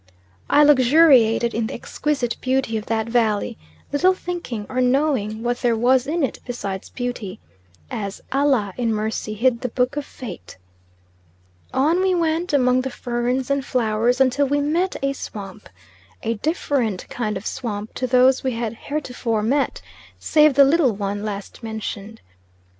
I luxuriated in the exquisite beauty of that valley, little thinking or knowing what there was in it besides beauty, as Allah "in mercy hid the book of fate." On we went among the ferns and flowers until we met a swamp, a different kind of swamp to those we had heretofore met, save the little one last mentioned.